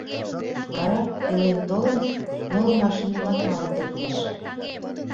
— Вара, илен толын, моло машинымат налын кертеш.